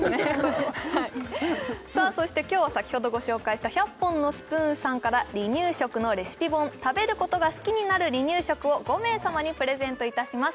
そして今日は先ほどご紹介した１００本のスプーンさんから離乳食のレシピ本「食べることが好きになる離乳食」を５名様にプレゼントいたします